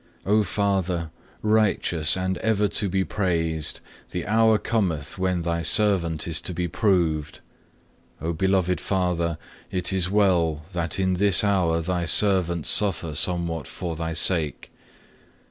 3. O Father, righteous and ever to be praised, the hour cometh when Thy servant is to be proved. O beloved Father, it is well that in this hour Thy servant suffer somewhat for Thy sake.